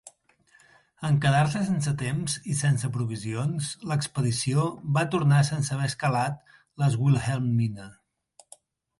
En quedar-se sense temps i sense provisions, l'expedició va tornar sense haver escalat les Wilhelmina.